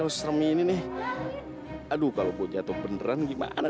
walaupun abang darwin harus mati harus lompat harus berada di sana